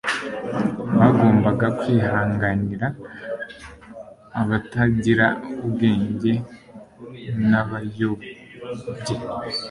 Bagombaga «kwihanganira abatagira ubwenge n'abayobye.'»